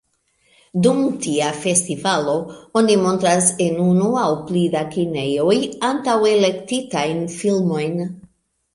Dum tia festivalo, oni montras en unu aŭ pli da kinejoj antaŭ-elektitajn filmojn.